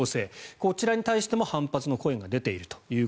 こちらに対しても反発の声が出ていると。